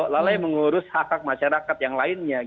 lalai mengurus hak hak masyarakat yang lainnya